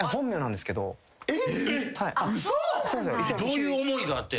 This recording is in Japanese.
どういう思いがあって？